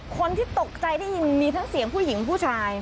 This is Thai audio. คนที่ตกใจได้ยินมีทั้งเสียงผู้หญิงผู้ชาย